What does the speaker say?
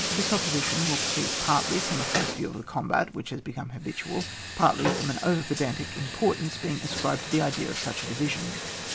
This opposition will proceed partly from a false view of the combat, which has become habitual, partly from an over pedantic importance being ascribed to the idea of such a division.